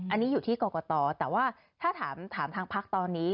อันนี้อยู่ที่กรกตแต่ว่าถ้าถามทางพักตอนนี้